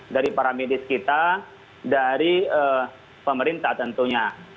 dari para medis kita dari pemerintah tentunya